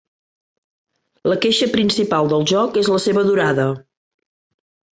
La queixa principal del joc és la seva durada.